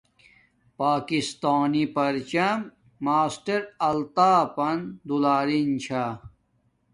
پاکستانی پرچم ماسٹر الطاف پن دولاین چھا